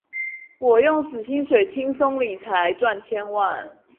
我用死薪水輕鬆理財賺千萬